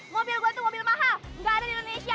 mobil gue tuh mobil mahal nggak ada di indonesia